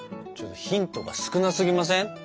ちょっとヒントが少なすぎません？